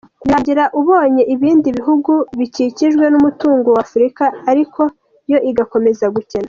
Birangira ubonye ibindi bihugu bikijijwe n’umutungo wa Afurika ariko yo igakomeza gukena.